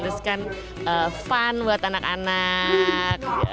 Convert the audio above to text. terus kan fun buat anak anak